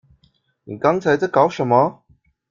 你剛才在搞什麼？